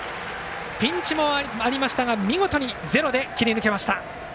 ピンチもありましたが見事にゼロで切り抜けました。